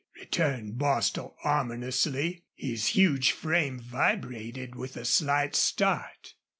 returned Bostil, ominously. His huge frame vibrated with a slight start.